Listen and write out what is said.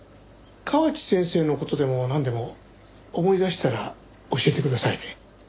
河内先生の事でもなんでも思い出したら教えてくださいね。